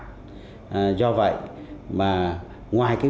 do vậy ngoài các vấn đề sinh kế của người dân